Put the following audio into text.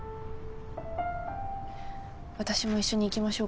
私も一緒に行きましょうか。